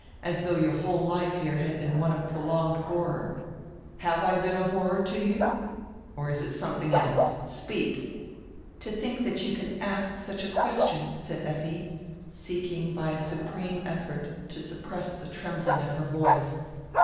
as though your whole life here had heen one prolonged horror. Have I heen a horror to you? Or is it somedring else? Speak!" "To think diat you can ask such a question!" said Effi, seeking hy a supreme effort to suppress die trembling of her voice.